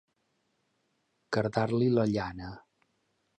Cardar-li la llana.